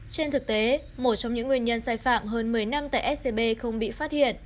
trên thực tế một trong những nguyên nhân sai phạm hơn một mươi năm tại scb không bị phát hiện